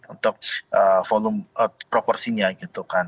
untuk volume proporsinya gitu kan